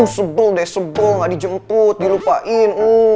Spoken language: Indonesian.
sebel deh sebel nggak dijemput dilupain